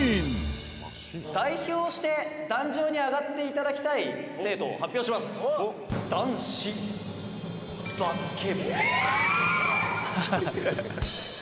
「代表して壇上に上がっていただきたい生徒を発表します」「キャー！」